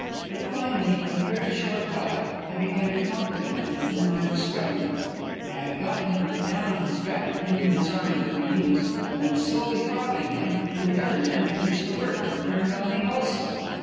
But finally, in a very short while, I began to conquer the man with whom I was struggling. I had got him down on his back, pinioned his arms with my knees, and was slowly throttling him, when the other man finished his work and turned on me also.